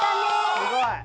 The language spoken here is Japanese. すごい。